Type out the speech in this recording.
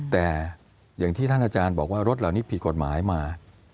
แต่อย่างที่ท่านอาจารย์บอกว่ารถเหล่านี้ผิดกฎหมายมา